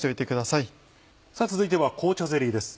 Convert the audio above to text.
さぁ続いては紅茶ゼリーです。